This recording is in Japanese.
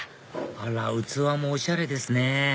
あら器もおしゃれですね